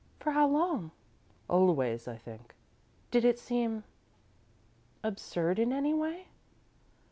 "For how long?" "Always, I think." "Did it seem absurd, in any way?"